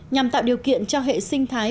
nhằm tạo điều kiện cho hệ sinh thái